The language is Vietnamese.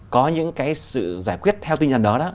có những cái sự giải quyết theo tin nhận đó